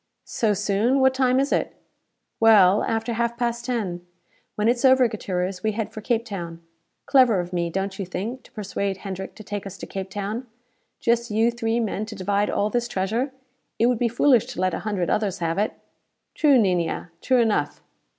"So soon? What time is it?" "Well, after half past ten. When it's over, Gutierrez, we head for Cape Town. Clever of me, don't you think, to persuade Hendrick to take us to Cape Town? Just you three men to divide all this treasure. It would be foolish to let a hundred others have it." "True, Niña; true enough."